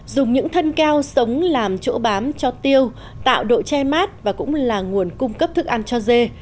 dùng những thân keo sống làm chỗ bám cho tiêu tạo độ che mát và cũng là nguồn cung cấp thức ăn cho dê